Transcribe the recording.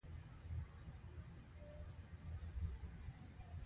د عضلو انقباض د تودوخې لوړولو اغېز لري.